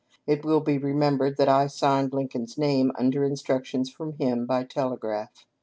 It will be remem bered that I signed Lincoln's name under instructions from him by telegraph.